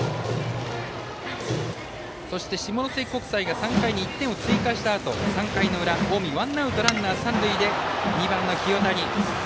そして、下関国際が３回に１点を追加したあと３回の裏、近江ワンアウトランナー、三塁で２番の清谷。